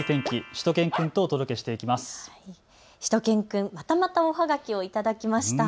しゅと犬くん、またおはがきを頂きました。